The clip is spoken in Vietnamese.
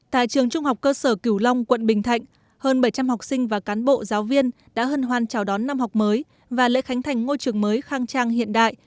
tại trường trung học cơ sở cửu long quận bình thạnh hơn bảy trăm linh học sinh và cán bộ giáo viên đã hân hoan chào đón năm học mới và lễ khánh thành ngôi trường mới khang trang hiện đại